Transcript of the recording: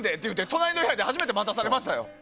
隣の部屋で初めて待たされましたよ。